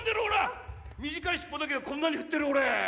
短い尻尾だけどこんなに振ってるほれ！